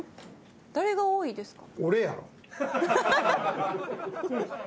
誰が多いですか？